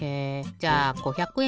じゃあ５００え